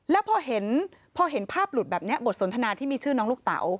แล้วพอเห็นพอเห็นภาพหลุดแบบนี้บทสนทนาที่มีชื่อน้องลูกเต๋า